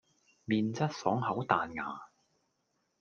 麵質爽口彈牙